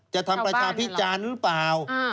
จะทำประชาพิจารณ์หรือเปล่า